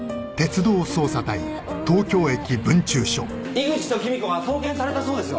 井口と君子が送検されたそうですよ。